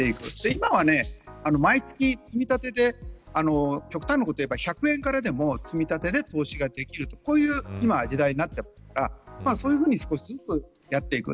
今は、毎月積み立てで極端なことを言うと１００円からでも積立てで投資ができる時代になっているからそういうふうに少しずつやっていく。